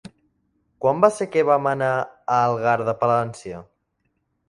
Quan va ser que vam anar a Algar de Palància?